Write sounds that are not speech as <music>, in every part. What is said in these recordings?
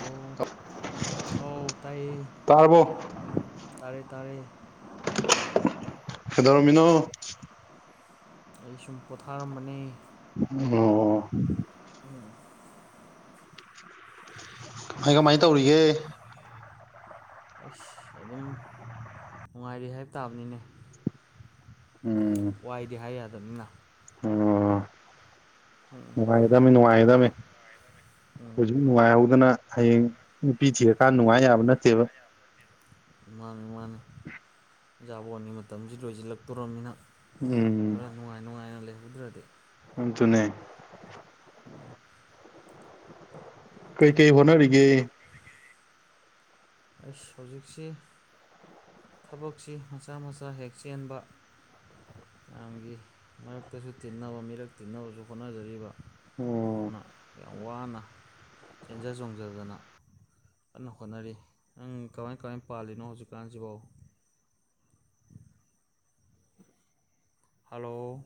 ꯑꯣ ꯑꯧ ꯇꯥꯏꯌꯦ ꯇꯥꯔꯕꯣ ꯇꯥꯔꯦ ꯇꯥꯔꯦ ꯀꯩꯗꯧꯔꯝꯃꯤꯅꯣ ꯑꯩ ꯁꯨꯝ ꯄꯣꯊꯥꯔꯝꯕꯅꯦ ꯑꯣ ꯎꯝ ꯍꯥꯏ ꯀꯃꯥꯏ ꯇꯧꯔꯤꯒꯦ ꯑꯁ ꯑꯗꯨꯝ ꯅꯨꯡꯉꯥꯏꯔꯤ ꯍꯥꯏꯕ ꯇꯥꯕꯅꯤꯅꯦ ꯎꯝ ꯋꯥꯏꯗꯤ ꯍꯥꯏ ꯌꯥꯗꯕꯅꯤꯅ ꯑꯣ ꯎꯝ ꯅꯨꯡꯉꯥꯏꯒꯗꯕꯅꯤ ꯅꯨꯡꯉꯥꯏꯒꯗꯕꯅꯤ ꯎꯝ ꯍꯧꯖꯤꯛ ꯅꯨꯡꯉꯥꯏꯍꯧꯗꯅ ꯍꯥꯌꯦꯡ ꯅꯨꯄꯤ ꯊꯤꯔ ꯀꯥꯟ ꯅꯨꯡꯉꯥꯏꯌꯥ ꯊꯤꯔꯀꯥꯟ ꯅꯨꯡꯉꯥꯏꯌꯥꯕ ꯅꯠ ꯃꯥꯅꯤ ꯃꯥꯅꯤ ꯖꯕꯣꯟꯒꯤ ꯃꯇꯝꯁꯤ ꯂꯣꯏꯁꯤꯜꯂꯥꯛꯇꯣꯔꯝꯅꯤꯅ ꯎꯝ ꯈꯔ ꯅꯨꯡꯉꯥꯏ ꯅꯨꯡꯉꯥꯏꯅ ꯂꯩꯍꯧꯗ꯭ꯔꯗꯤ ꯑꯗꯨꯅꯦ ꯑꯝ ꯀꯩꯀꯩ ꯍꯣꯠꯅꯔꯤꯒꯦ ꯍꯣꯠꯅꯔꯤꯒꯦ ꯑꯩꯁ ꯍꯧꯖꯤꯛꯁꯦ ꯊꯕꯛꯁꯤ ꯃꯆꯥꯥ ꯃꯆꯥ ꯍꯦꯛ ꯆꯦꯟꯕ ꯃꯌꯥꯝꯒꯤ ꯃꯔꯛꯇꯁꯨ ꯇꯤꯟꯅꯕ ꯃꯤꯔꯛ ꯇꯤꯟꯅꯕꯁꯨ ꯍꯣꯠꯅꯖꯔꯤꯕ ꯑꯣ ꯑꯗꯨ ꯌꯥꯝ ꯋꯥꯅ ꯆꯦꯟꯖ ꯆꯣꯡꯖꯗꯅ ꯀꯟꯅ ꯍꯣꯠꯅꯔꯤ ꯅꯪ ꯀꯃꯥꯏ ꯀꯃꯥꯏꯅ ꯄꯥꯜꯂꯤꯅꯣ ꯍꯧꯖꯤꯛꯀꯥꯟꯁꯤꯕꯣ ꯍꯜꯂꯣ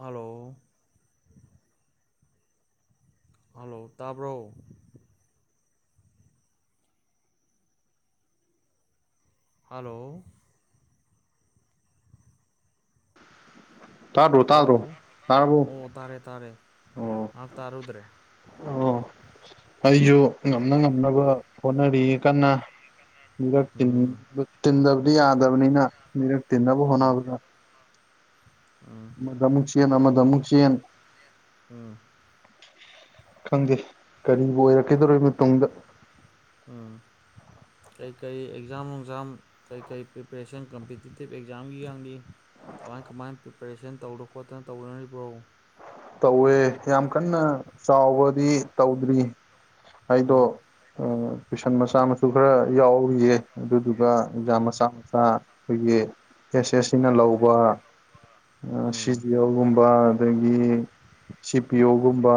ꯍꯜꯂꯣ ꯍꯜꯂꯣ ꯇꯥꯕ꯭ꯔꯣ ꯍꯥꯂꯣ ꯇꯥꯗ꯭ꯔꯣ -ꯇꯥꯗ꯭ꯔꯣ ꯍꯜꯂꯣ ꯇꯥꯔꯕꯣ ꯑꯣ ꯇꯥꯔꯦ ꯇꯥꯔꯦ ꯑꯣ ꯉꯥꯏꯍꯥꯛ ꯇꯥꯔꯨꯗ꯭ꯔꯦ ꯑꯣ ꯑꯩꯖꯨ ꯉꯝꯅ ꯉꯝꯅꯕ ꯍꯣꯠꯅꯔꯤꯌꯦ ꯀꯟꯅ ꯃꯤꯔꯛ ꯇꯤꯟ ꯎꯝ ꯇꯤꯟꯗꯕꯗꯤ ꯌꯥꯗꯕꯅꯤꯅ ꯃꯤꯔꯛ ꯇꯤꯟꯅꯕ ꯎꯝ ꯍꯣꯠꯅꯕꯗ ꯎꯝ ꯑꯃꯗ ꯃꯨꯛꯆꯦꯟ ꯑꯃꯗ ꯃꯨꯛꯆꯦꯟ ꯎꯝ ꯈꯪꯗꯦ ꯀꯔꯤꯕꯨ ꯑꯣꯏꯔꯛꯀꯗꯧꯔꯤꯕꯅꯣ ꯇꯨꯡꯗ ꯎꯝ ꯀꯩ -ꯀꯩ ꯑꯦꯛꯖꯥꯝ ꯅꯨꯡꯖꯥꯝ ꯀꯩ ꯀꯩ ꯄ꯭ꯔꯤꯄꯔꯦꯁꯟ ꯀꯝꯄꯤꯇꯤꯇꯤꯞ ꯑꯦꯛꯖꯥꯝꯒꯤ ꯌꯥꯡꯂꯤ ꯀꯃꯥꯏ ꯀꯃꯥꯏꯅ ꯄ꯭ꯔꯤꯄꯦꯔꯦꯁꯟ ꯇꯧꯗꯅ ꯈꯣꯠꯇꯅ ꯇꯧꯅꯔꯤꯕ꯭ꯔꯣ ꯇꯧꯋꯦ ꯌꯥꯝ ꯀꯥꯟꯅ ꯆꯥꯎꯕꯗꯤ ꯇꯧꯗ꯭ꯔꯤ ꯑꯩꯗꯣ ꯎꯝ ꯇꯨꯏꯁꯥꯟ ꯃꯆꯥ ꯃꯁꯨ ꯈꯔ ꯌꯥꯎꯔꯤꯌꯦ ꯑꯗꯨꯗꯨꯒ ꯑꯦꯛꯖꯥꯝ ꯎꯝ ꯃꯆꯥ ꯆꯥ ꯑꯩꯈꯣꯏꯒꯤ ꯑꯦꯁ ꯑꯦꯁꯁꯤꯅ ꯂꯧꯕ ꯁꯤ ꯎꯝ ꯖꯤ ꯑꯦꯜ ꯒꯨꯝꯕ ꯑꯗꯒꯤ ꯁꯤ ꯄꯤ ꯑꯣ ꯒꯨꯝꯕ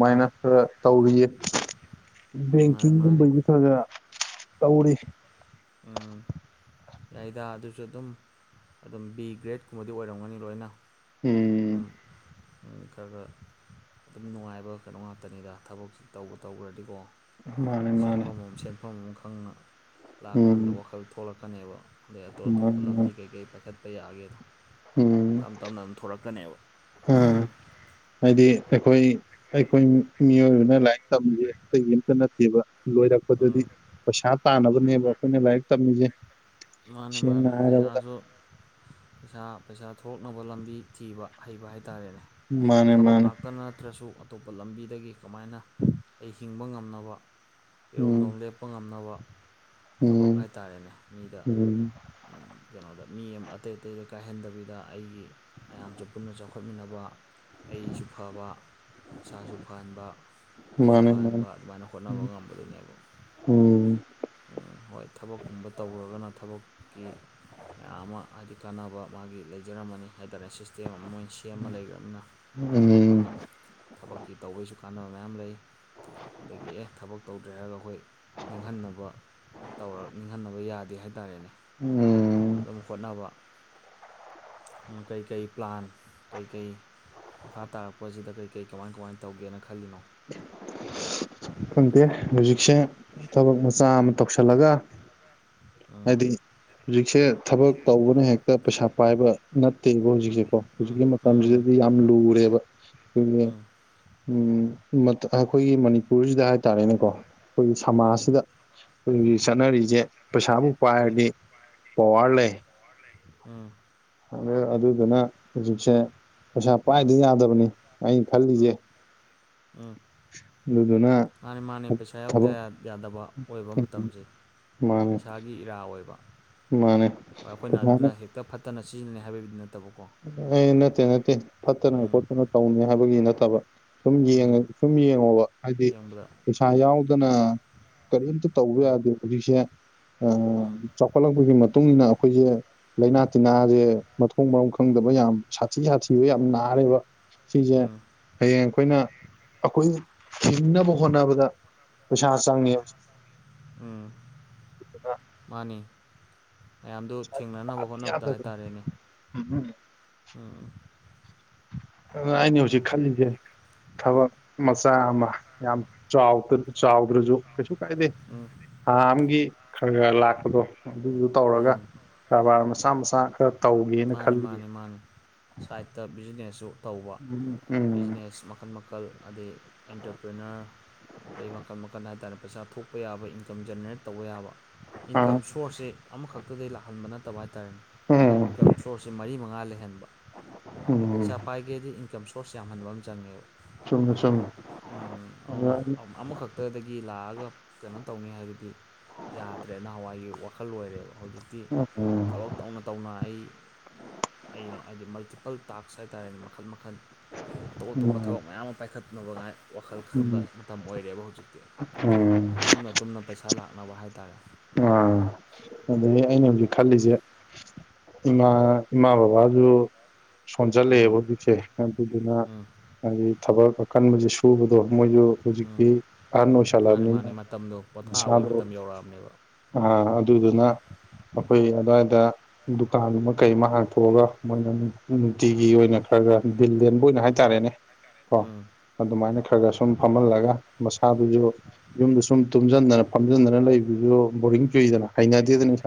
ꯎꯝ ꯈꯔ ꯇꯧꯔꯤꯌꯦ ꯃꯥꯅꯤ ꯃꯥꯅꯤ ꯕꯦꯡꯀꯤꯡꯒꯨꯝꯕꯒꯤ ꯈꯔ -ꯈꯔ ꯇꯧꯔꯤ ꯎꯝ ꯌꯥꯏꯗ ꯑꯗꯨꯁꯨ ꯑꯗꯨꯝ ꯑꯗꯨꯝ ꯕꯤ ꯒ꯭ꯔꯦꯗꯀꯨꯝꯕꯗꯤ ꯑꯣꯏꯔꯝꯒꯅꯤ ꯂꯣꯏꯅ ꯎꯝ ꯎꯝ ꯎꯝ ꯈꯔ ꯒꯔ ꯑꯗꯨꯝ ꯅꯨꯡꯉꯥꯏꯕ ꯀꯩꯅꯣ ꯉꯥꯛꯇꯅꯤꯗ ꯊꯕꯛꯁꯤ ꯇꯧꯕꯨ ꯇꯧꯒ꯭ꯔꯗꯤꯀꯣ ꯃꯥꯅꯦ ꯃꯥꯅꯦ ꯁꯦꯟꯐꯝ ꯑꯃ ꯁꯦꯟꯐꯝ ꯑꯃ ꯈꯪꯅ ꯎꯝ ꯂꯥꯛꯑꯀꯥꯟꯗ ꯋꯥꯈꯜ ꯊꯣꯛꯂꯛꯀꯅꯦꯕ ꯑꯗꯩ ꯑꯇꯣꯞ ꯑꯇꯣꯞꯄ ꯂꯝꯕꯤ ꯃꯥꯅꯦ ꯀꯩꯀꯩ ꯄꯥꯏꯈꯠꯄ ꯌꯥꯒꯦꯗꯣ ꯎꯝ ꯇꯞ ꯇꯞꯅ ꯑꯗꯨꯝ ꯊꯣꯛꯂꯛꯀꯅꯦꯕ ꯎꯝ ꯍꯥꯏꯗꯤ ꯑꯩꯈꯣꯏ- ꯑꯩꯈꯣꯏ ꯃꯤꯑꯣꯏꯕꯅ ꯂꯥꯏꯛ ꯇꯝꯃꯤꯖꯦ ꯑꯇꯩꯒꯤ ꯑꯝꯇ ꯅꯠꯇꯦꯕ ꯂꯣꯏꯔꯛꯄꯗꯗꯤ ꯎꯝ ꯄꯩꯁꯥ ꯇꯥꯟꯅꯕꯅꯦꯕ ꯑꯩꯈꯣꯏꯅ ꯂꯥꯏꯔꯤꯛ ꯇꯥꯝꯃꯤꯖꯦ ꯃꯥꯅꯦ ꯁꯦꯡꯅ ꯃꯥꯅꯦ ꯍꯥꯏꯔꯕꯗ ꯄꯩꯁꯥꯁꯨ ꯄꯩꯁꯥ- ꯄꯩꯁꯥ ꯊꯣꯛꯅꯕ ꯂꯝꯕꯤ ꯊꯤꯕ ꯑꯍꯩꯕ ꯍꯥꯏꯇꯥꯔꯦꯅꯦ ꯃꯥꯅꯦ ꯊꯕꯛ ꯃꯥꯅꯦ ꯉꯥꯛꯇꯅ ꯅꯠꯇ꯭ꯔꯁꯨ ꯑꯇꯣꯞꯄ ꯂꯥꯝꯕꯤꯗꯒꯤ ꯀꯃꯥꯏꯅ ꯑꯩ ꯍꯤꯡꯕ ꯉꯥꯝꯅꯕ ꯎꯝ ꯏꯔꯣꯝꯗꯣꯝ ꯂꯦꯞꯄ ꯉꯥꯝꯅꯕ ꯊꯕꯛ ꯎꯝ ꯍꯥꯏꯇꯥꯔꯦꯅꯦ ꯃꯤꯗ ꯎꯝ ꯀꯩꯅꯣꯗ ꯃꯤ ꯑꯃ ꯑꯇꯩ ꯑꯇꯩꯗ ꯀꯥꯏꯍꯟꯗꯕꯤꯗ ꯑꯩꯒꯤ ꯃꯌꯥꯝꯁꯨ ꯄꯨꯟꯅ ꯆꯥꯎꯈꯠꯃꯤꯟꯅꯕ ꯑꯩꯁꯨ ꯐꯕ ꯏꯁꯥꯁꯨ ꯐꯍꯟꯕ ꯃꯤꯁꯨ ꯃꯥꯅꯦ ꯐꯍꯟꯕ ꯃꯥꯅꯦ ꯑꯗꯨꯃꯥꯏꯅ ꯍꯣꯠꯅꯕ ꯉꯝꯕꯗꯨꯅꯦꯕ ꯎꯝ ꯑꯝ ꯍꯣꯏ ꯊꯕꯛꯀꯨꯝꯕ ꯇꯧꯒ꯭ꯔꯒꯅ ꯊꯕꯛꯀꯤ ꯃꯌꯥꯝ ꯑꯃ ꯍꯥꯏꯗꯤ ꯀꯥꯟꯅꯕ ꯃꯥꯒꯤ ꯂꯩꯖꯔꯝꯃꯅꯤ ꯍꯥꯏ ꯇꯥꯔꯦ ꯁꯤꯁꯇꯦꯝ ꯑꯃ ꯃꯣꯏꯁꯤ ꯇꯦꯝ ꯑꯃ ꯂꯩꯈ꯭ꯔꯝꯅꯤꯅ ꯎꯝ ꯑꯗꯨꯅ ꯊꯕꯛꯀꯤ ꯇꯧꯕꯒꯤꯁꯨ ꯀꯥꯟꯅꯕ ꯃꯌꯥꯝ ꯂꯩ ꯑꯗꯒꯤ ꯑꯦ ꯊꯕꯛ ꯇꯧꯗ꯭ꯔꯦ ꯍꯥꯏꯔꯒ ꯑꯩꯈꯣꯏ ꯅꯤꯡꯍꯟꯅꯕ ꯇꯧꯔ ꯅꯤꯡꯍꯟꯅꯕ ꯌꯥꯗꯦ ꯍꯥꯏꯇꯥꯔꯦꯅꯦ ꯎꯝ ꯑꯗꯨꯝ ꯍꯣꯠꯅꯕ ꯀꯩꯀꯩ ꯄ꯭ꯂꯥꯟ ꯀꯩꯀꯩ ꯃꯈꯥ ꯇꯥꯔꯛꯄꯁꯤꯗ ꯀꯩ ꯀꯩ ꯀꯃꯥꯏ ꯀꯃꯥꯏꯅ ꯇꯧꯒꯦꯅ ꯈꯜꯂꯤꯅꯣ ꯈꯪꯗꯦ ꯍꯧꯖꯤꯛꯁꯦ ꯊꯕꯛ ꯃꯆꯥ ꯑꯃ ꯇꯧꯁꯜꯂꯒ ꯑꯥ ꯍꯥꯏꯗꯤ ꯍꯧꯖꯤꯛꯁꯦ ꯊꯕꯛ ꯇꯧꯕꯅ ꯍꯦꯛꯇ ꯄꯩꯁꯥ ꯄꯥꯏꯕ ꯅꯠꯇꯦꯕ ꯍꯧꯖꯤꯛꯁꯦꯀꯣ ꯎꯝ ꯍꯧꯖꯤꯛꯀꯤ ꯎꯝ ꯃꯇꯝꯁꯤꯗꯗꯤ ꯌꯥꯝ ꯂꯨꯔꯦꯕ ꯎꯝ ꯆꯨꯝꯃꯦ ꯎꯝ ꯎꯝ ꯃꯠꯇ ꯑꯩꯈꯣꯏꯒꯤ ꯃꯅꯤꯄꯨꯔꯁꯤꯗ ꯍꯥꯏ ꯇꯥꯔꯦꯅꯦꯀꯣ ꯑꯩꯈꯣꯏꯒꯤ ꯎꯝ ꯁꯃꯥꯖꯁꯤꯗ ꯑꯩꯈꯣꯏꯒꯤ ꯆꯠꯅꯔꯤꯁꯦ ꯄꯩꯁꯥꯕꯨ ꯄꯥꯏꯔꯗꯤ ꯄꯋꯥꯔ ꯂꯩ ꯄꯋꯥꯔ ꯂꯩ ꯎꯝ ꯑꯗ ꯑꯗꯨꯗꯨꯅ ꯍꯧꯖꯤꯛꯁꯦ ꯄꯩꯁꯥ ꯄꯥꯏꯗ ꯌꯥꯗꯕꯅꯤ ꯑꯩꯅ ꯈꯜꯂꯤꯁꯦ ꯎꯝ ꯎꯝ ꯑꯗꯨꯗꯨꯅ ꯃꯥꯅꯦ ꯃꯥꯅꯦ ꯄꯩꯁꯥ ꯌꯥꯎꯗ ꯊꯕꯛ ꯌꯥ ꯌꯥꯗꯕ ꯑꯣꯏꯕ ꯃꯇꯝꯁꯦ ꯄꯩꯁꯥꯒꯤ ꯏꯔꯥ ꯑꯣꯏꯕ ꯃꯥꯟꯅꯦ ꯍꯣꯏ ꯑꯩꯈꯣꯏꯅ ꯑꯗꯨꯅ <unintelligible> ꯍꯦꯛꯇ ꯐꯠꯇꯅ ꯁꯤꯖꯤꯟꯅꯅꯩ ꯍꯥꯏꯕꯒꯤ ꯅꯠꯇꯕꯀꯣ ꯍꯣꯏ ꯅꯠꯇꯦ ꯅꯠꯇꯦ ꯐꯠꯇꯅ ꯎꯝ ꯈꯣꯠꯇꯅ ꯇꯧꯅꯤ ꯍꯥꯏꯕꯒꯤ ꯅꯠꯇꯕ ꯁꯨꯝ ꯎꯝ ꯌꯦꯡꯉꯨ ꯁꯨꯝ ꯌꯦꯡꯉꯣꯕ ꯍꯥꯏꯗꯤ ꯌꯦꯡꯕꯗ ꯄꯩꯁꯥ ꯌꯥꯎꯗꯅ ꯀꯔꯤꯝꯇ ꯇꯧꯕ ꯎꯝ ꯌꯥꯗꯦ ꯍꯧꯖꯤꯛꯁꯦ ꯑ ꯎꯝ ꯆꯥꯎꯈꯠꯂꯛꯄꯒꯤ ꯃꯇꯨꯡꯏꯟꯅ ꯑꯩꯈꯣꯏꯖꯦ ꯂꯥꯏꯅꯥ ꯇꯤꯟꯅꯥꯖꯦ ꯃꯊꯣꯡ ꯃꯔꯝ ꯈꯪꯗꯕ ꯌꯥꯝ ꯁꯥꯊꯤ ꯁꯥꯊꯤꯕ ꯌꯥꯝ ꯅꯥꯔꯦꯕ ꯁꯤꯁꯦ ꯎꯝ ꯍꯌꯦꯡ ꯑꯩꯈꯣꯏꯅ ꯑꯩꯈꯣꯏꯅ ꯍꯤꯡꯅꯕ ꯍꯣꯠꯅꯕꯗ ꯄꯩꯁꯥ ꯆꯪꯉꯦꯕ ꯁꯤꯗꯅ ꯃꯥꯅꯦ ꯃꯌꯥꯝꯗꯨ ꯄꯩꯁꯥ ꯊꯦꯡꯅꯅꯕ ꯍꯣꯠꯅꯕꯗ ꯍꯥꯏꯇꯥꯔꯦꯅꯦ ꯎꯍꯨꯝ ꯎꯝ ꯑꯗꯨꯅ ꯑꯩꯅ ꯍꯧꯖꯤꯛ ꯈꯜꯂꯤꯁꯦ ꯊꯕꯛ ꯃꯆꯥ ꯑꯃ ꯌꯥꯝ ꯆꯥꯎꯗ ꯆꯥꯎꯗ꯭ꯔꯁꯨ ꯀꯩꯁꯨ ꯀꯥꯏꯗꯦ ꯎꯝ ꯊꯥ ꯑꯃꯒꯤ ꯈꯔ ꯈꯔ ꯂꯥꯛꯄꯗꯣ ꯑꯗꯨꯗꯨ ꯇꯧꯔꯒ ꯎꯝ ꯀꯥꯕꯥꯔ ꯃꯆꯥ ꯃꯆꯥ ꯈꯔ ꯇꯧꯒꯦꯅ ꯃꯥꯅꯤ ꯈꯜꯂꯤꯌꯦ ꯃꯥꯅꯤ ꯃꯥꯅꯤ ꯁꯥꯏꯠꯇ ꯕꯤꯖꯤꯅꯦꯁꯁꯨ ꯇꯧꯕ ꯎꯝ ꯎꯝ ꯕꯤꯖꯤꯅꯦꯁ ꯃꯈꯜ ꯃꯈꯜ ꯑꯗꯩ ꯑꯦꯟꯇꯔꯄ꯭ꯔꯤꯅꯔ ꯑꯗꯩ ꯃꯈꯟ ꯃꯈꯟ ꯍꯥꯏꯇꯥꯔꯦ ꯄꯩꯁꯥ ꯊꯣꯛꯄ ꯌꯥꯕ ꯏꯟꯀꯝ ꯖꯦꯅꯦꯔꯦꯠ ꯇꯧꯕ ꯌꯥꯕ ꯏꯟꯀꯝ ꯁꯣꯔꯁꯁꯦ ꯑꯃꯈꯛꯇꯗꯩ ꯂꯥꯛꯍꯟꯕ ꯅꯠꯇꯕ ꯍꯥꯏꯇꯥꯥꯔꯦꯅꯦ ꯑ ꯎꯝ ꯏꯟꯀꯝ ꯁꯣꯔꯁꯁꯦ ꯃꯔꯤ ꯃꯉꯥ ꯂꯩꯍꯟꯕ ꯎꯝ ꯄꯩꯁꯥ ꯄꯥꯏꯒꯦꯗꯤ ꯏꯟꯀꯝ ꯁꯣꯔꯁ ꯌꯥꯝꯍꯟꯕ ꯑꯃ ꯆꯪꯉꯦꯕ ꯆꯨꯝꯃꯦ ꯆꯨꯝꯃꯦ ꯎꯝ ꯑꯗꯨꯅ ꯎꯝ ꯑ ꯑꯃꯈꯛ ꯇꯗꯒꯤ ꯂꯥꯛꯑꯒ ꯀꯩꯅꯣ ꯇꯧꯅꯤ ꯍꯥꯏꯗꯨꯗꯤ ꯌꯥꯗ꯭ꯔꯦ ꯅꯍꯥꯟꯋꯥꯏꯒꯤ ꯋꯥꯈꯜ ꯑꯣꯏꯔꯦꯕ ꯍꯧꯖꯤꯛ ꯇꯤ ꯊꯕꯛ ꯇꯧꯅ ꯇꯧꯅ ꯑꯩ ꯑꯩꯅ ꯍꯥꯏꯗꯤ ꯃꯜꯇꯤꯄꯜ ꯇꯥꯛꯁ ꯍꯥꯏꯇꯥꯔꯦꯅꯦ ꯃꯈꯜ ꯃꯈꯜ ꯑꯇꯣꯞ ꯑꯇꯣꯞꯄ ꯎꯝ ꯊꯕꯛ ꯃꯌꯥꯝ ꯑꯃ ꯄꯥꯏꯈꯠꯅꯕꯉꯥꯏ ꯋꯥꯈꯜ ꯈꯟꯕ ꯎꯝ ꯃꯇꯝ ꯑꯣꯏꯔꯦꯕ ꯍꯧꯖꯤꯛꯇꯤ ꯎꯝ ꯇꯨꯝꯅ ꯇꯨꯝꯅ ꯄꯩꯁꯥ ꯂꯥꯛꯅꯕ ꯍꯥꯏꯇꯥꯥꯔꯦ ꯑꯥ ꯑꯗꯒꯤ ꯑꯩꯅ ꯍꯧꯖꯤꯛ ꯈꯜꯂꯤꯁꯦ ꯏꯃꯥ ꯏꯃꯥ ꯕꯕꯥꯁꯨ ꯁꯣꯟꯖꯜꯂꯛꯑꯦꯕ ꯎꯝ ꯍꯧꯖꯤꯛꯁꯦ ꯑꯗꯨꯗꯨꯅꯥ ꯎꯝ ꯍꯥꯏꯗꯤ ꯊꯕꯛ ꯑꯀꯟꯕꯁꯦ ꯁꯨꯕꯗꯣ ꯃꯣꯏꯁꯨ ꯎꯝ ꯍꯧꯖꯤꯛꯇꯤ ꯑꯍꯟ ꯑꯣꯏꯁꯜꯂꯕꯅꯤꯅ ꯄꯣꯊꯥꯕꯩ ꯃꯇꯝ ꯌꯧꯔꯛꯑꯕꯅꯦꯕ ꯑ ꯎꯝ ꯑꯗꯨꯗꯨꯅ ꯑꯩꯈꯣꯏ ꯑꯗꯨꯋꯥꯏꯗ ꯗꯨꯀꯥꯟ ꯑꯃ ꯀꯩ ꯑꯃ ꯍꯥꯡꯇꯣꯛꯑꯒ ꯃꯣꯏꯅ ꯅꯨꯡꯇꯤꯒꯤ ꯑꯣꯏꯅ ꯈꯔ ꯈ ꯗꯤꯜ ꯂꯦꯟꯕ ꯑꯣꯏꯅ ꯍꯥꯏ ꯇꯥꯔꯦꯅꯦ ꯎꯝ ꯑꯗꯨꯝꯃꯥꯏꯅ ꯈꯔ ꯈꯔ ꯁꯨꯝ ꯐꯝꯍꯜꯂꯒ ꯃꯁꯥꯗꯨꯖꯨ ꯌꯨꯝꯗ ꯁꯨꯝ ꯇꯨꯝꯖꯟꯗꯅ ꯐꯝꯖꯟꯗꯅ ꯂꯩꯞꯗꯨꯖꯨ ꯕꯣꯔꯤꯡ ꯆꯨꯏꯗꯅ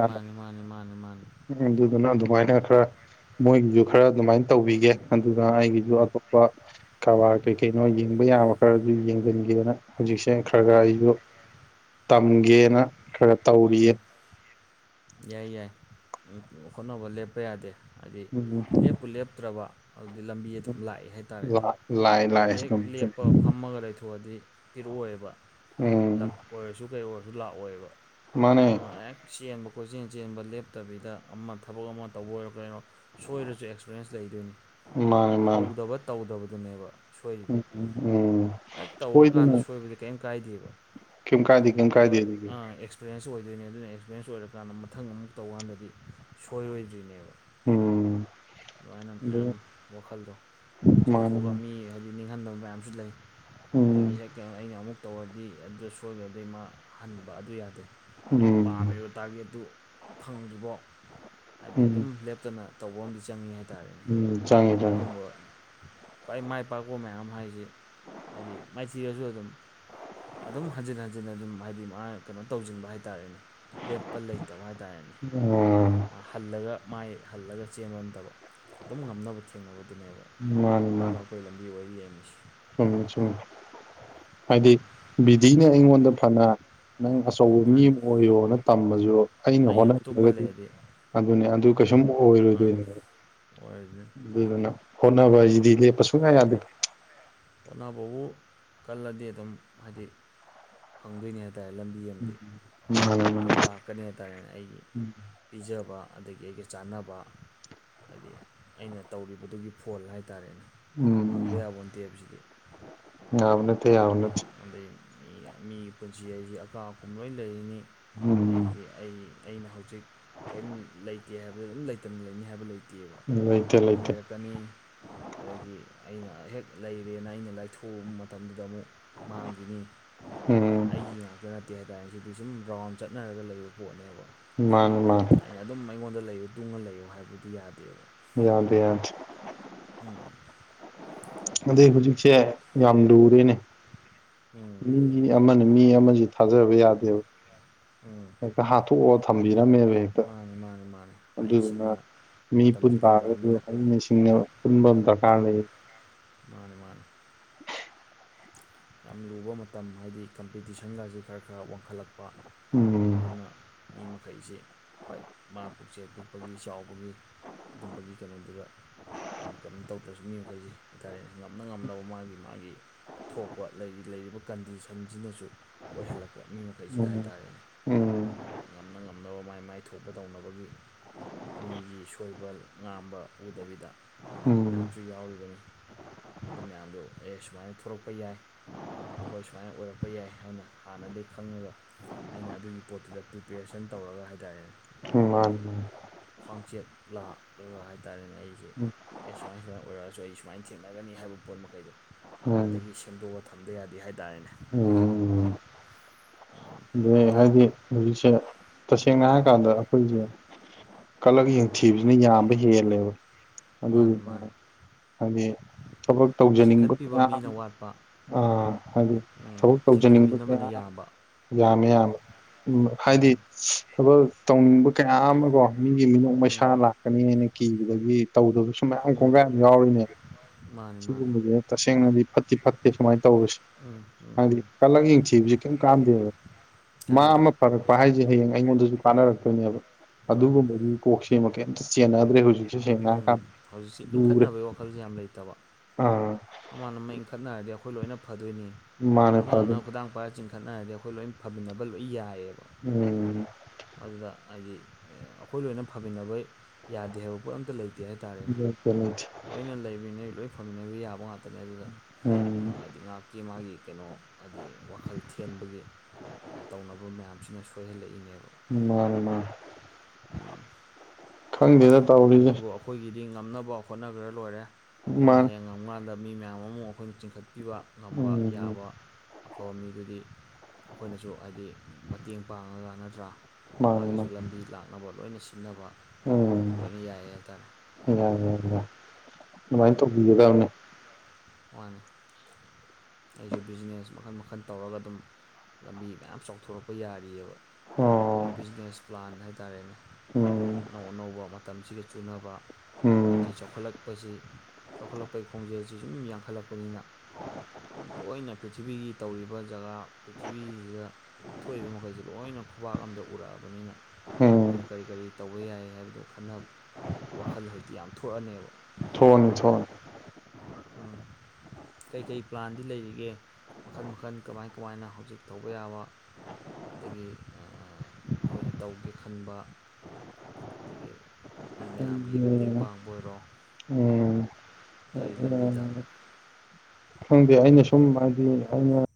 ꯃꯥꯅꯦ ꯃꯥꯅꯦ ꯃꯥꯅꯦ ꯃꯥꯅꯦ ꯎꯝ ꯑꯗꯨꯗꯨꯅ ꯑꯗꯨꯃꯥꯏ ꯅ ꯈꯔ ꯃꯣꯏꯒꯤꯖꯨ ꯈꯔ ꯑꯗꯨꯝꯃꯥꯏꯟ ꯇꯧꯕꯤꯒꯦ ꯑꯗꯨꯒ ꯑꯩꯒꯤꯖꯨ ꯎꯝ ꯑꯇꯣꯞꯄ ꯀꯔꯕꯥꯔ ꯀꯩ ꯀꯩꯅꯣ ꯌꯦꯡꯕ ꯌꯥꯕ ꯈꯔꯖꯨ ꯌꯦꯡꯖꯟꯒꯦꯅ ꯍꯧꯖꯤꯛꯁꯦ ꯈꯔ ꯍꯧꯖꯤꯛꯁꯦ ꯑꯩꯁꯨ ꯈꯔ ꯈꯔ ꯌꯦꯡꯕ ꯇꯝꯒꯦꯅ ꯈꯔ ꯈꯔ ꯇꯧꯔꯤꯌꯦ ꯌꯥꯏ ꯌꯥꯏ ꯍꯣꯠꯅꯕ ꯂꯦꯞꯄ ꯌꯥꯗꯦ ꯍꯥꯏꯗꯤ ꯎꯝ ꯂꯦꯞꯄꯨ ꯂꯦꯞꯇ꯭ꯔꯕ ꯑꯗꯨꯗꯤ ꯂꯝꯕꯤ ꯑꯗꯨꯝ ꯂꯥꯛꯑꯦ ꯍꯥꯏꯇꯥꯔꯦꯅꯦ ꯂꯥꯛꯑꯦ ꯂꯥꯛꯑꯦ ꯍꯥꯏꯗꯤ ꯍꯦꯛ ꯁꯨꯝ ꯁꯨꯝ ꯂꯦꯞꯄ ꯐꯝꯃꯒ ꯂꯩꯊꯣꯛꯑꯗꯤ ꯄꯤꯔꯛꯑꯣꯏꯕ ꯎꯝ ꯂꯛ ꯑꯣꯏꯔꯁꯨ ꯀꯩ ꯑꯣꯏꯔꯁꯨ ꯂꯥꯛꯑꯣꯏꯕ ꯃꯥꯅꯦ ꯑ ꯍꯦꯛ ꯆꯦꯟꯕ ꯀꯣꯏꯆꯦꯟ ꯆꯦꯟꯕ ꯂꯦꯞꯇꯕꯤꯗ ꯑꯃ ꯊꯕꯛ ꯑꯃ ꯇꯧꯕ ꯑꯣꯏꯔꯣ ꯀꯩꯅꯣ ꯁꯣꯏꯔꯁꯨ ꯑꯦꯛꯁꯄꯔꯦꯟꯁ ꯂꯩꯗꯣꯏꯅꯤ ꯃꯥꯅꯦ ꯃꯥꯅꯦ ꯍꯧꯗꯕ ꯇꯧꯗꯕꯗꯨꯅꯦꯕ ꯁꯣꯏꯔꯤꯗꯤ ꯎꯝ ꯎꯝ ꯍꯦꯛ ꯇꯧꯔꯀꯥꯟꯗ ꯁꯣꯏꯗꯅ ꯁꯣꯏꯕꯗꯤ ꯀꯩꯝ ꯀꯥꯏꯗꯦꯕ ꯀꯩꯝ ꯀꯥꯏꯗꯦ ꯀꯩꯝ ꯑꯗꯨ ꯀꯥꯏꯗꯦ ꯑꯗꯨꯗꯤ ꯑ ꯑꯦꯛꯁ ꯄꯔꯦꯟꯁ ꯑꯣꯏꯗꯣꯏꯅꯦ ꯑꯗꯨꯅ ꯑꯦꯛꯁꯄꯔꯦꯟꯁ ꯑꯣꯏꯔꯀꯥꯟꯗ ꯃꯊꯪ ꯑꯃꯨꯛ ꯇꯧꯀꯥꯟꯗꯗꯤ ꯁꯣꯏꯔꯣꯏꯗ꯭ꯔꯤꯅꯦꯕ ꯎꯝ ꯑꯗꯨꯝꯃꯥꯏꯅ ꯑꯗꯨ ꯃꯌꯥꯝ ꯋꯥꯈꯜꯗꯣ ꯃꯥꯅꯤ ꯆꯥꯎꯊꯣꯛꯑꯒ ꯃꯥꯅꯤ ꯃꯤ ꯍꯥꯏꯗꯤ ꯅꯤꯡꯍꯟꯅꯕ ꯃꯌꯥꯝꯁꯨ ꯂꯩ ꯎꯝ ꯑꯗꯒꯤ ꯍꯦꯛ ꯑꯩꯅ ꯑꯃꯨꯛ ꯇꯧꯔꯗꯤ ꯑꯗꯨ ꯁꯣꯏꯒ꯭ꯔꯗꯤ ꯃꯥ ꯍꯟꯕ ꯑꯗꯨ ꯌꯥꯗꯦ ꯑꯩꯅ ꯎꯝ ꯄꯥꯝꯃꯤꯕ ꯇꯥꯔꯒꯦꯠꯇꯨ ꯐꯪꯗ꯭ꯔꯤꯕꯣꯛ ꯍꯥꯏꯗꯤ ꯑꯗꯨꯝ ꯎꯝ ꯂꯦꯞꯇꯅ ꯇꯧꯕ ꯑꯃꯗꯤ ꯆꯪꯉꯤ ꯍꯥꯏꯇꯥꯔꯦꯅꯦ ꯎꯝ ꯆꯪꯉꯤ ꯆꯪꯉꯤ ꯑꯗꯨꯝꯕ ꯈ꯭ꯋꯥꯏ ꯃꯥꯏ ꯄꯥꯛꯄ ꯃꯌꯥꯝ ꯍꯥꯏꯖꯤ ꯍꯥꯏꯗꯤ ꯃꯥꯏꯊꯤꯔꯁꯨ ꯑꯗꯨꯝ ꯑꯗꯨꯝ ꯍꯟꯖꯤꯟ ꯍꯟꯖꯤꯟ ꯑꯗꯨꯝ ꯍꯥꯏꯗꯤ ꯃꯥ ꯀꯩꯅꯣ ꯇꯧꯖꯤꯟꯕ ꯍꯥꯏꯇꯥꯥꯔꯦꯅꯦ ꯂꯦꯞꯄ ꯂꯩꯇꯕ ꯍꯥꯏꯇꯥꯥꯔꯦꯅꯦ ꯎꯝ ꯃꯥ‌ ꯍꯜꯂꯒ ꯃꯥꯏ ꯍꯜꯂꯒ ꯆꯦꯟꯕ ꯅꯠꯇꯕ ꯑꯗꯨꯝ ꯉꯝꯅꯕ ꯊꯦꯡꯅꯕꯗꯨꯅꯦꯕ ꯃꯥꯏ ꯄꯥꯛꯄꯩ ꯂꯝꯕꯤ ꯑꯣꯏ ꯂꯩꯔꯝꯃꯤꯁꯤ ꯎꯝ <unintelligible> ꯍꯥꯏꯗꯤ ꯕꯤꯗꯤꯅ ꯑꯩꯉꯣꯟꯗ ꯐꯅ ꯅꯪ ꯑꯆꯧꯕ ꯃꯤ ꯃꯥꯅꯤ ꯑꯃ ꯑꯣꯏꯌꫭꯅ ꯇꯝꯃꯖꯨ ꯑꯩꯅ ꯇꯨꯝꯃ ꯍꯣꯠꯅꯗ꯭ꯔꯒꯗꯤ ꯂꯩꯔꯗꯤ ꯑꯗꯨꯅꯦ ꯑꯗꯨ ꯀꯩꯁꯨꯝ ꯃꯥꯅꯤ ꯑꯣꯏꯔꯣꯏꯗꯣꯏꯅꯦ ꯑꯣꯏꯔꯅꯤ ꯑꯗꯨꯗꯨꯅ ꯍꯣꯠꯅꯕ ꯍꯥꯏꯖꯤꯗꯤ ꯂꯦꯞꯄ ꯁꯨꯡꯌꯥ ꯌꯥꯗꯦ ꯍꯣꯠꯅꯕꯕꯨ ꯀꯜꯂꯗꯤ ꯑꯗꯨꯝ ꯍꯥꯏꯗꯤ ꯐꯪꯗꯣꯏꯅꯦ ꯍꯥꯏꯇꯥꯔꯦ ꯂꯝꯕꯤ ꯑꯝꯗꯤ ꯎꯝ, ꯃꯥꯅꯤ ꯃꯥꯅꯤ ꯑꯗꯨꯝ ꯂꯥꯛꯀꯅꯦ ꯍꯥꯏ ꯇꯥꯔꯦꯅꯦ ꯑꯩꯒꯤ ꯎꯝ ꯄꯤꯖꯕ ꯑꯗꯒꯤ ꯑꯩꯒ ꯆꯥꯟꯅꯕ ꯍꯥꯏꯗꯤ ꯑꯩꯅ ꯇꯧꯔꯤꯕꯗꯨꯒꯤ ꯐꯣꯜ ꯍꯥꯏꯇꯥꯥꯔꯦꯅꯦ ꯎꯝ ꯐꯪꯗ ꯎꯝ. ꯌꯥꯄꯣꯟꯇꯦꯕ ꯁꯤꯗꯤ ꯌꯥꯕ ꯅꯠꯇꯦ ꯌꯥꯕ ꯅꯠꯇꯦ ꯑꯗꯩ ꯃꯤ ꯃꯤꯒꯤ ꯄꯨꯟꯁꯤ ꯍꯥꯏꯖꯤ ꯑꯀꯥ ꯑꯀꯨꯝ ꯂꯣꯏ ꯂꯩꯔꯤꯅꯤ ꯎꯝ ꯍꯥꯏꯗꯤ ꯑꯩꯒꯤ ꯑꯩꯅ ꯍꯧꯖꯤꯛ ꯀꯩꯝ ꯂꯩꯇꯦ ꯍꯥꯏꯕꯗ ꯑꯗꯨꯝ ꯂꯩꯇꯅ ꯂꯩꯅꯤ ꯍꯥꯏꯕ ꯂꯩ ꯇꯦꯕ ꯂꯩꯇꯦ ꯑꯃꯨꯛ‌ ꯂꯩꯇꯦ ꯂꯩꯔꯛ ꯀꯅꯤ ꯑꯗꯒꯤ ꯑꯩꯅ ꯍꯦꯛ ꯂꯩꯔꯦꯅ ꯑꯩꯅ ꯂꯥꯏꯊꯣꯛꯎꯕ ꯃꯇꯝꯗꯨꯗ ꯑꯃꯨꯛ ꯃꯥꯡꯒꯤꯅꯤ ꯎꯝ ꯑꯩꯒꯤ ꯉꯥꯛꯇ ꯅꯠꯇꯦ ꯍꯥꯏꯇꯥꯔꯦ ꯁꯤꯗꯤ ꯁꯨꯝ ꯔꯥꯎꯟ ꯆꯠꯅꯔꯒ ꯂꯩꯕ ꯄꯣꯠꯅꯦꯕ ꯃꯥꯟꯅꯦ ꯃꯥꯟꯅꯦ ꯑꯩ ꯑꯗꯨꯝ ꯑꯩꯉꯣꯟꯗ ꯂꯩꯌꯨ ꯇꯨꯡꯉ ꯂꯩꯌꯨ ꯍꯥꯏꯕꯗꯨ ꯌꯥꯗꯦꯕ ꯌꯥꯗꯦ ꯌꯥꯗꯦ ꯎꯝ ꯑꯗꯩ ꯑꯗꯨꯅ ꯍꯧꯖꯤꯛꯁꯦ ꯌꯥꯝ ꯂꯨꯔꯦꯅꯦ ꯎꯝ ꯃꯤ ꯑꯃꯅ ꯃꯤ ꯑꯃꯁꯦ ꯊꯥꯖꯕ ꯌꯥꯗꯦꯕ <unintelligible> ꯍꯦꯛꯇ ꯍꯥꯠꯇꯣꯛꯑ ꯊꯝꯕꯤꯔꯝꯃꯦꯕ ꯍꯦꯛꯇ ꯃꯥꯅꯤ ꯃꯥꯅꯤ ꯃꯥꯅꯤ ꯑꯗꯨꯗꯨꯅ ꯍꯩꯁꯤꯡꯅ ꯃꯤ ꯄꯨꯟ ꯃꯇꯝꯁꯦ ꯇꯥꯔꯒꯁꯨ ꯂꯨꯔꯛꯑꯃꯤꯅ ꯍꯩꯅ ꯁꯤꯡꯅ ꯄꯨꯟꯕ ꯑꯃ ꯗꯔꯀꯥꯔ ꯎꯝ ꯂꯩꯌꯦꯕ ꯃꯥꯅꯦ ꯃꯥꯅꯦ ꯌꯥꯝ ꯂꯨꯕ ꯃꯇꯝ ꯍꯥꯏꯗꯤ ꯀꯝꯄꯤꯇꯤꯁꯟꯒꯥꯁꯤ ꯈꯔ ꯈꯔ ꯋꯥꯡꯈꯠꯂꯛꯄ ꯄ ꯎꯝ ꯑꯗꯨꯅ ꯃꯤ ꯃꯈꯩꯁꯤ ꯍꯣꯏ ꯃꯥ ꯄꯨꯛꯆꯦꯜ ꯄꯤꯛꯄꯒꯤ ꯆꯥꯎꯕꯒꯤ ꯑꯗꯨꯝꯕꯒꯤ ꯀꯩꯅꯣꯗꯨꯗ ꯌꯥꯝ ꯀꯟꯅ ꯇꯧꯗ꯭ꯔꯁꯨ ꯃꯤ ꯃꯈꯩꯁꯦ ꯍꯥꯏ ꯇꯥꯔꯦ ꯉꯝꯅ ꯉꯝꯅꯕ ꯃꯥꯒꯤ ꯃꯥꯒꯤ ꯊꯣꯛꯄ ꯂꯩꯔꯤ ꯂꯩꯔꯤꯕ ꯀꯟꯗꯤꯁꯟꯁꯤꯅꯁꯨ ꯑꯣꯏꯍꯜꯂꯛꯄ ꯃꯤ ꯃꯈꯩꯁꯤꯗ ꯎꯝ ꯍꯥꯏꯇꯥꯔꯦꯅꯦ ꯃꯥ ꯉꯝꯅ ꯉꯝꯅꯕ ꯃꯥꯏ ꯃꯥꯏ ꯊꯣꯛꯄ ꯇꯧꯅꯕꯒꯤ ꯃꯤꯒꯤ ꯁꯣꯏꯕ ꯉꯥꯝꯕ ꯎꯗꯕꯤꯗ ꯎꯝ ꯃꯌꯥꯝꯁꯨ ꯌꯥꯎꯔꯤꯕꯅꯤ ꯑꯗꯨ ꯃꯌꯥꯝꯗꯣ ꯑꯦ ꯁꯨꯃꯥꯏꯅ ꯊꯣꯔꯛ ꯄ ꯌꯥꯏ ꯑꯩꯈꯣꯏ ꯁꯨꯃꯥꯏꯅ ꯑꯣꯏꯔꯛꯄ ꯌꯥꯏ ꯍꯥꯏꯅ ꯍꯥꯟꯅꯗꯒꯤ ꯈꯪꯉꯒ ꯑꯩꯅ ꯑꯗꯨꯒꯤ ꯄꯣꯠꯇꯨꯗ ꯄ꯭ꯔꯤꯄꯦꯔꯦꯁꯟ ꯇꯧꯔꯒ ꯍꯥꯏꯇꯥꯔꯦꯅꯦ ꯎꯝ ꯑꯩꯅ ꯃꯥꯅꯤ ꯈ꯭ꯋꯥꯡꯆꯦꯠ ꯂꯥꯛꯂꯒ ꯍꯥꯏꯇꯥꯔꯦꯅꯦ ꯑꯩꯁꯦ ꯑꯦ ꯁꯨꯃꯥꯏ ꯁꯨꯃꯥꯏ ꯑꯣꯏꯔꯛꯑꯁꯨ ꯑꯩ ꯁꯨꯃꯥꯏꯅ ꯊꯦꯡꯅꯒꯅꯤ ꯍꯥꯏꯕ ꯄꯣꯠ ꯃꯈꯩꯗꯣ ꯍꯥꯟꯅ ꯃꯥꯅꯤ ꯗꯒꯤ ꯁꯦꯝꯗꯣꯛꯑ ꯊꯝꯗ ꯌꯥꯗꯦ ꯍꯥꯏꯇꯥꯥꯔꯦꯅꯦ ꯎꯝ ꯎꯝ ꯑꯗꯩ ꯍꯥꯏꯗꯤ ꯍꯧꯖꯤꯛꯁꯦ ꯇꯁꯦꯡꯅ ꯍꯥꯏꯔ ꯀꯥꯟꯗ ꯑꯩꯈꯣꯏꯁꯦ ꯀꯜꯂꯛ ꯌꯦꯡ ꯊꯤꯕꯅ ꯌꯥꯝꯕ ꯍꯦꯜꯂꯦꯕ ꯑꯗꯨ ꯃꯥꯅꯤ ꯃꯥꯅꯤ ꯍꯥꯏꯗꯤ ꯊꯕꯛ ꯇꯧꯖꯅꯤꯡꯕ ꯆꯤꯡꯈꯠꯄꯤꯕ ꯀꯌꯥ ꯃꯤꯅ ꯑꯃ ꯋꯥꯠꯄ ꯑꯥ ꯍꯥꯏꯗꯤ ꯎꯝ ꯊꯕꯛ ꯇꯧꯖꯅꯤꯡꯕ ꯀꯌꯥ ꯆꯤꯡꯊꯕꯤꯅꯕꯅ ꯌꯥꯝꯕ ꯌꯥꯝꯃꯦ ꯎꯝ ꯍꯥꯏꯗꯤ ꯊꯕꯛ ꯇꯧꯅꯤꯡꯕ ꯀꯌꯥ ꯑꯃ ꯀꯣ ꯃꯤꯒꯤ ꯃꯤꯅꯣꯛ ꯃꯩꯁꯥ ꯎꯝ ꯂꯥꯛꯀꯅꯤ ꯍꯥꯏꯅ ꯀꯤꯕꯗꯒꯤ ꯇꯧꯗꯕ ꯁꯨ ꯃꯌꯥꯝ ꯀꯣꯡꯒꯥꯏ ꯑꯃ ꯌꯥꯎꯔꯤꯅꯦ ꯃꯥꯅꯦ ꯁꯤꯒꯨꯝꯕꯁꯦ ꯇꯁꯦꯡꯅꯗꯤ ꯐꯠꯇꯤ ꯐꯠꯇꯦ ꯁꯨꯃꯥꯏꯅ ꯇꯧꯕꯁꯦ ꯎꯝ ꯎꯝ ꯎꯝ ꯍꯥꯏꯗꯤ ꯀꯂꯛ ꯌꯦꯡꯊꯤꯕꯁꯤ ꯀꯔꯤꯝ ꯀꯥꯟꯅꯗꯦꯕ ꯃꯥ ꯀꯥꯟꯅꯗꯦ ꯑꯃ ꯐꯔꯛꯄ ꯍꯥꯏꯁꯦ ꯍꯌꯦꯡ ꯑꯩꯉꯣꯟꯗꯁꯨ ꯀꯥꯟꯅꯔꯛꯇꯣꯏꯅꯦꯕ ꯃꯥꯅꯦ ꯑꯗꯨꯒꯨꯝꯕꯒꯤ ꯀꯣꯛꯁꯦ ꯀꯩꯝꯇ ꯆꯦꯟꯅꯗ꯭ꯔꯦ ꯍꯧꯖꯤꯛꯁꯦ ꯁꯦꯡꯅ ꯍꯥꯏꯔ ꯀꯥꯟꯗ ꯍꯧꯖꯤꯛꯁꯤ ꯏꯟꯈꯠꯅꯕꯩ ꯋꯥꯈꯜꯖꯦ ꯌꯥꯝ ꯂꯩꯇꯕ ꯑꯥ ꯑꯃꯅ ꯑꯃ ꯏꯟꯈꯠꯅꯔꯗꯤ ꯑꯩꯈꯣꯏ ꯂꯣꯏꯅ ꯐꯗꯣꯏꯅꯤ ꯃꯥꯅꯦ ꯑꯃꯅ ꯐꯗꯨꯝ ꯈꯨꯗꯥꯡ ꯄꯥꯏꯔ ꯆꯤꯡꯈꯠ ꯈꯠꯅꯔꯗꯤ ꯑꯩꯈꯣꯏ ꯂꯣꯏ ꯐꯝꯃꯤꯟꯅꯕ ꯂꯣꯏ ꯌꯥꯏꯑꯦꯕ ꯎꯝ ꯑꯗꯨꯗ ꯍꯥꯏꯗꯤ ꯑꯩꯈꯣꯏ ꯂꯣꯏꯅ ꯐꯃꯤꯟꯅꯕ ꯌꯥꯗꯦ ꯍꯥꯏꯕ ꯄꯣꯠ ꯑꯝꯇ ꯂꯩ ꯇꯦ ꯍꯥꯏ ꯇꯥꯔꯦꯅꯦ ꯂꯣꯏꯅ ꯂꯩꯃꯤꯟꯅꯩ ꯂꯣꯏ ꯐꯃꯤꯟꯅꯕ ꯌꯥꯕ ꯉꯥꯛꯇꯅꯦ ꯑꯗꯨꯗ ꯎꯝ ꯍꯥꯏꯗꯤ ꯉꯥꯏꯍꯥꯛꯀꯤ ꯃꯥꯒꯤ ꯀꯩꯅꯣ ꯍꯥꯏꯗꯤ ꯋꯥꯈꯜ ꯊꯦꯟꯕꯒꯤ ꯇꯧꯅꯕ ꯃꯌꯥꯝꯁꯤꯅ ꯁꯣꯏꯍꯜꯂꯛꯏꯅꯦꯕ ꯃꯥꯅꯦ ꯃꯥꯅꯦ ꯎꯝ ꯈꯪꯗꯦꯗ ꯇꯧꯔꯤꯖꯦ ꯑꯗꯨꯕꯨ ꯑꯩꯈꯣꯏꯒꯤꯗꯤ ꯉꯝꯅꯕ ꯍꯣꯠꯅꯒ꯭ꯔ ꯂꯣꯏꯔꯦ ꯑꯩꯈꯣꯏꯅ ꯃꯥꯅꯦ ꯍꯌꯦꯡ ꯉꯝ ꯀꯥꯟꯗ ꯃꯤ ꯃꯌꯥꯝ ꯑꯃ ꯑꯩꯈꯣꯏꯅ ꯆꯤꯡꯈꯠꯄꯤꯕ ꯉꯝꯕ ꯎꯝ ꯌꯥꯕ ꯑꯐꯕ ꯃꯤꯗꯨꯗꯤ ꯑꯩꯈꯣꯏꯅꯁꯨ ꯍꯥꯏꯗꯤ ꯃꯇꯦꯡ ꯄꯥꯡꯉꯒ ꯅꯠꯇ꯭ꯔꯥ ꯃꯥꯅꯦ ꯃꯥꯒꯤꯁꯨ ꯃꯥꯅꯦ ꯂꯝꯕꯤ ꯂꯥꯛꯅꯕ ꯂꯣꯏꯅ ꯁꯤꯟꯅꯕ ꯎꯝ ꯂꯣꯏꯅ ꯌꯥꯏ ꯍꯥꯏꯇꯥꯔꯦ <unintelligible> ꯑꯗꯨꯃꯥꯏꯅ ꯎꯝ ꯇꯧꯕꯤꯒꯗꯕꯅꯦ ꯃꯥꯅꯦ ꯑꯩꯁꯨ ꯕꯤꯖꯤꯅꯦꯁ ꯃꯈꯟ ꯃꯈꯟ ꯇꯧꯔꯒ ꯑꯗꯨꯝ ꯂꯝꯕꯤ ꯃꯌꯥꯝ ꯆꯥꯎꯊꯣꯔꯛꯄ ꯌꯥꯔꯤꯑꯕ ꯍꯣꯏ ꯑꯣ ꯕꯤꯖꯤꯅꯦꯁ ꯄ꯭ꯂꯥꯟ ꯍꯥꯏ ꯇꯔꯦꯅꯦ ꯎꯝ ꯑꯅꯧ ꯑꯅꯧꯕ ꯃꯇꯝꯁꯤꯒ ꯆꯨꯅꯕ ꯎꯝ ꯍꯧꯖꯤꯛꯇꯤ ꯆꯥꯎꯈꯠꯂꯛ ꯄꯁꯤ ꯆꯥꯎꯈꯠꯂꯛꯄꯒꯤ ꯈꯣꯡꯖꯦꯜꯁꯤ ꯁꯨꯝ ꯌꯥꯡꯈꯠꯂꯛꯄꯅꯤꯅ ꯑꯗꯨ ꯂꯣꯏꯅ ꯄ꯭ꯔꯤꯊꯤꯕꯤꯒꯤ ꯇꯧꯔꯤꯕ ꯖꯒꯥ ꯄ꯭ꯔꯤꯊꯤꯕꯤꯁꯤꯗ ꯊꯣꯛꯏꯕ ꯃꯈꯩꯁꯦ ꯂꯣꯏꯅ ꯈꯨꯕꯥꯛ ꯑꯃꯗ ꯎꯔꯛꯑꯕꯅꯤꯅ ꯎꯝ ꯑꯩꯈꯣꯏꯅ ꯀꯔꯤ ꯀꯔꯤ ꯇꯧꯕ ꯌꯥꯏ ꯍꯥꯏꯕꯗꯨ ꯈꯟꯅ ꯋꯥꯈꯜ ꯍꯧꯖꯤꯛꯇꯤ ꯌꯥꯝ ꯊꯣꯛꯑꯅꯤꯕ <unintelligible> ꯎꯝ ꯀꯩꯀꯩ ꯄ꯭ꯂꯥꯟꯗꯤ ꯂꯩꯔꯤꯒꯦ ꯃꯈꯟ ꯃꯈꯟ ꯀꯃꯥꯏ ꯀꯃꯥꯏꯅ ꯍꯧꯖꯤꯛ ꯇꯧꯕ ꯌꯥꯕ ꯑꯗꯒꯤ ꯑ ꯑꯩꯈꯣꯏꯅ ꯇꯧꯒꯦ ꯈꯟꯕ ꯑꯗꯒꯤ ꯃꯤ ꯃꯌꯥꯝꯒꯤ ꯃꯇꯦꯡ ꯄꯥꯡꯕ ꯑꯣꯏꯔꯣ ꯎꯝ ꯀꯔꯤ ꯂꯝꯕꯤꯗ ꯈꯪꯗꯦ ꯑꯩꯅ ꯁꯨꯝ ꯍꯥꯏꯗꯤ ꯑꯩꯅ